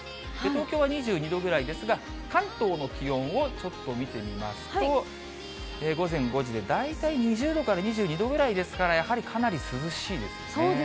東京は２２度ぐらいですが、関東の気温をちょっと見てみますと、午前５時で、大体２０度から２２度ぐらいですから、やはりかなり涼しいですよね。